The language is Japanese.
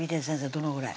どのぐらい？